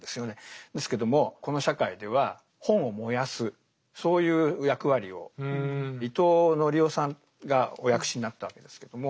ですけどもこの社会では本を燃やすそういう役割を伊藤典夫さんがお訳しになったわけですけども。